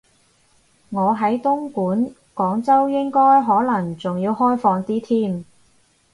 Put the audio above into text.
我喺東莞，廣州應該可能仲要開放啲添